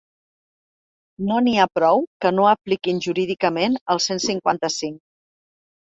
No n’hi ha prou que no apliquin jurídicament el cent cinquanta-cinc.